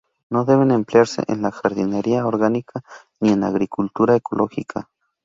No deben emplearse en la jardinería orgánica ni en agricultura ecológica.